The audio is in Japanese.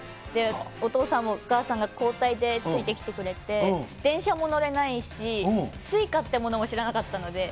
お父さんとお母さんが交代でついてきてくれて、電車も乗れないし、スイカってものも知らなかったので。